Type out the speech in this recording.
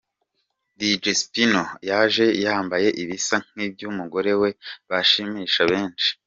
Dj Spin yaje yambaye ibisa nk'iby'umugore we bashimisha benshi.